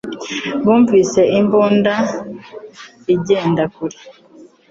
Bumvise imbunda igenda kure